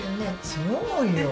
そうよ。